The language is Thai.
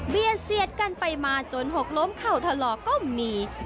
เสียดกันไปมาจนหกล้มเข่าถลอกก็มี